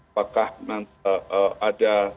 apakah ada datang juga